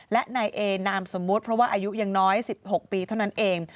และนายเอนามสมมุติเพราะว่าอายุยังน้อย๑๖ปีเท่านั้นเอง